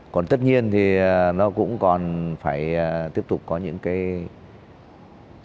còn tất nhiên thì nó cũng còn phải tiếp tục có những cái